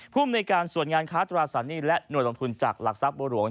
ภูมิในการส่วนงานค้าตราสารหนี้และหน่วยลงทุนจากหลักทรัพย์บัวหลวง